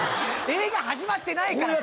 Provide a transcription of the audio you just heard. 映画始まってないから。